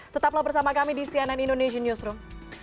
tetaplah bersama kami di cnn indonesian newsroom